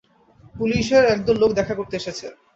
পুলিশের একদল লোক দেখা করতে এসেছে।